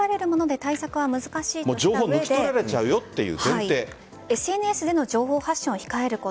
対策が難しいとした上でＳＮＳとの情報発信を控えること。